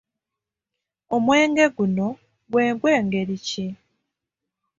Omwenge guno gwe gw'engeri ki?